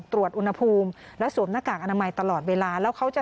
ตรวจอุณหภูมิและสวมหน้ากากอนามัยตลอดเวลา